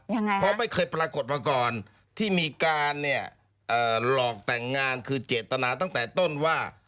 ยังไงเพราะไม่เคยปรากฏมาก่อนที่มีการเนี่ยเอ่อหลอกแต่งงานคือเจตนาตั้งแต่ต้นว่า